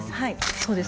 そうです